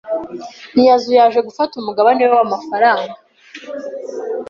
Ntiyazuyaje gufata umugabane we w'amafaranga.